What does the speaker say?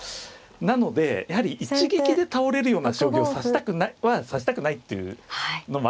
なのでやはり一撃で倒れるような将棋を指したくないっていうのもあるんですよね